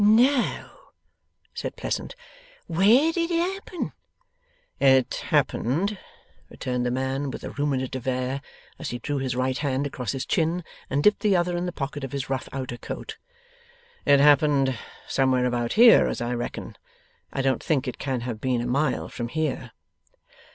'No?' said Pleasant. 'Where did it happen?' 'It happened,' returned the man, with a ruminative air, as he drew his right hand across his chin, and dipped the other in the pocket of his rough outer coat, 'it happened somewhere about here as I reckon. I don't think it can have been a mile from here.